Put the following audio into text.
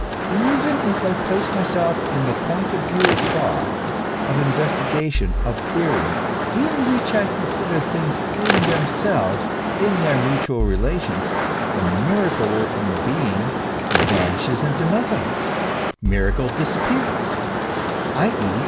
If I place myself in the point of view of thought, of investigation, of theory, in which I consider things in themselves, in their mutual relations, the miracle working being vanishes into nothing, miracle disappears ; i. e.